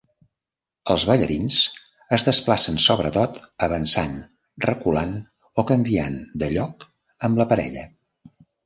Els ballarins es desplacen sobretot avançant, reculant o canviant de lloc amb la parella.